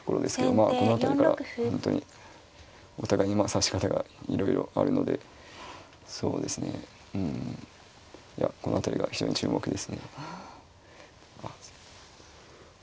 まあこの辺りから本当にお互いに指し方がいろいろあるのでそうですねうんいやこの辺りが非常に注目ですね。